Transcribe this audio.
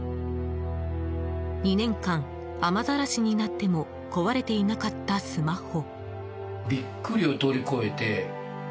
２年間雨ざらしになっても壊れていなかったスマホ。